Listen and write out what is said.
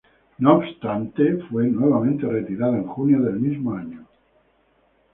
No obstante, fue nuevamente retirado en junio del mismo año.